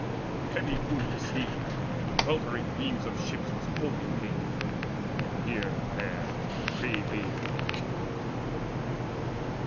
The heavy booming sea With weltering beams of ships was wholly paved, And here and there the grey waves gleamed between.